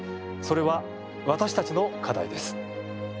それは私たちの課題です。